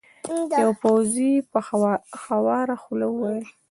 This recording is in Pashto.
یوه پوځي په خواره خوله وویل.